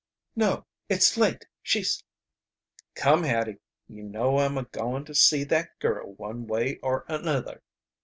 "No. It's late. She's " "Come, Hattie, you know I'm a goin' to see that girl one way or another.